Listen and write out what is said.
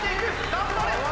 頑張れ！